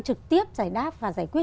trực tiếp giải đáp và giải quyết